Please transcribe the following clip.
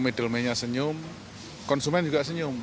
middleman nya senyum konsumen juga senyum